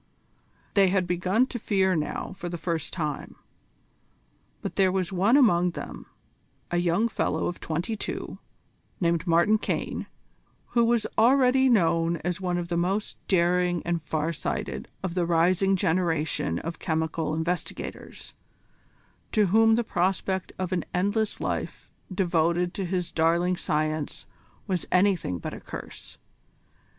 They had begun to fear now for the first time. But there was one among them, a young fellow of twenty two, named Martin Caine, who was already known as one of the most daring and far sighted of the rising generation of chemical investigators, to whom the prospect of an endless life devoted to his darling science was anything but a curse.